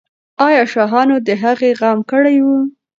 آیا شاهانو د هغې غم کړی و؟